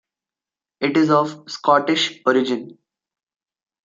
It is of Scottish origin.